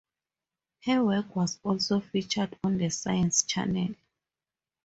Her work was also featured on the Science Channel.